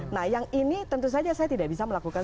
nah yang ini tentu saja saya tidak bisa melakukan